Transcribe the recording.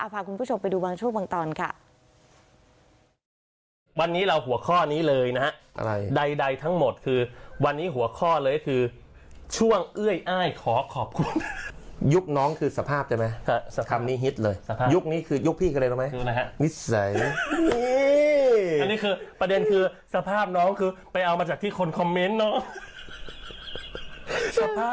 พาคุณผู้ชมไปดูบางช่วงบางตอนค่ะ